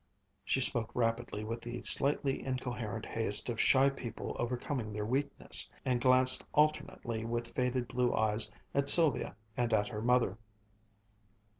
She spoke rapidly with the slightly incoherent haste of shy people overcoming their weakness, and glanced alternately, with faded blue eyes, at Sylvia and at her mother.